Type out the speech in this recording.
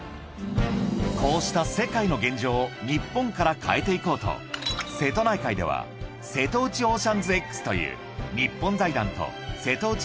こうした世界の現状を日本から変えていこうと瀬戸内海では瀬戸内オーシャンズＸという日本財団と瀬戸内